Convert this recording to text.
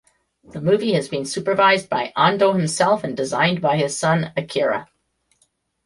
The movie has been supervised by Andō himself and designed by his son Akira.